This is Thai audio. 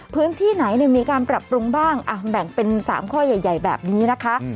พื้นที่ไหนมีการปรับปรุงบ้างแบ่งเป็น๓ข้อใหญ่แบบนี้นะคะ